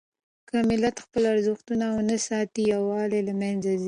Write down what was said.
که ملت خپل ارزښتونه ونه ساتي، يووالی له منځه ځي.